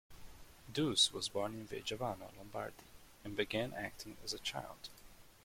Duse was born in Vigevano, Lombardy, and began acting as a child.